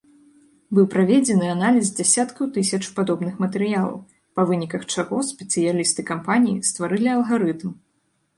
Быў праведзены аналіз дзясяткаў тысяч падобных матэрыялаў, па выніках чаго спецыялісты кампаніі стварылі алгарытм.